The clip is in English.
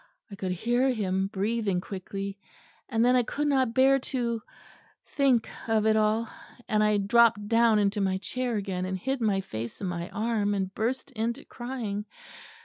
I could hear him breathing quickly; and then I could not bear to think of it all; and I dropped down into my chair again, and hid my face in my arm and burst into crying.